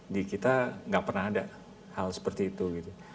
di kita nggak pernah ada hal seperti itu gitu